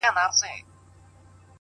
کوم زاهد په يوه لاس ورکړی ډهول دی’